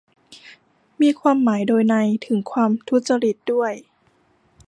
มีความหมายโดยนัยถึงความทุจริตด้วย